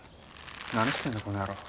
なにしてんだこの野郎。